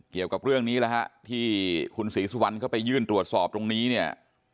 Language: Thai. เกี่ยวกับเรื่องนี้แล้วฮะที่คุณศรีสุวรรณเข้าไปยื่นตรวจสอบตรงนี้เนี่ย